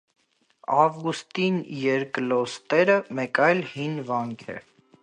Ավգուստիներկլոստերը մեկ այլ հին վանք է։